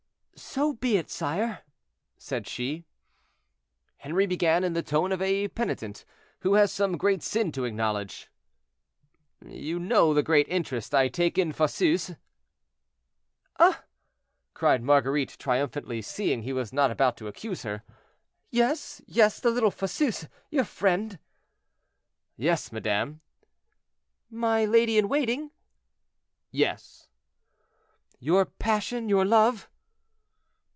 "So be it, sire," said she. Henri began in the tone of a penitent who has some great sin to acknowledge. "You know the great interest I take in Fosseuse?" "Ah!" cried Marguerite, triumphantly, seeing he was not about to accuse her; "yes, yes; the little Fosseuse, your friend." "Yes, madame." "My lady in waiting."—"Yes." "Your passion—your love."